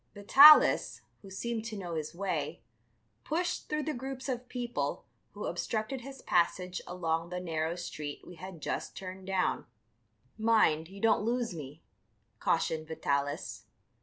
Vitalis, who seemed to know his way, pushed through the groups of people who obstructed his passage along the narrow street we had just turned down. "Mind, you don't lose me," cautioned Vitalis.